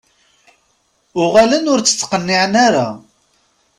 Uɣalen ur tt-ttqiniɛen ara .